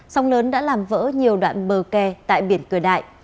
sông lớn đã làm vỡ nhiều đoạn bờ kè tại biển cửa đại